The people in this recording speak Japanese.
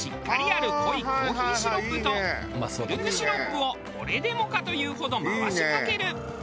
濃いコーヒーシロップとミルクシロップをこれでもかというほど回しかける。